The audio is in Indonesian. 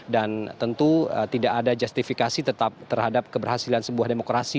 dan tentu tidak ada justifikasi tetap terhadap keberhasilan sebuah demokrasi